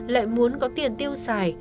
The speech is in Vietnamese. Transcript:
lại muốn có tiền tiêu xài